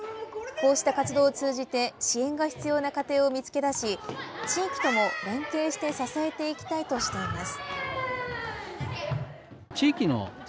こうした活動を通じて支援が必要な家庭を見つけ出し地域とも連携して支えていきたいとしています。